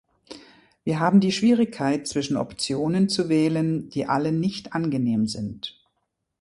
Wir haben die Schwierigkeit, zwischen Optionen zu wählen, die alle nicht angenehm sind.